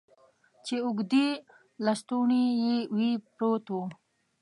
چې اوږدې لستوڼي یې وې، پروت و.